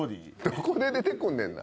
どこで出てくんねんな。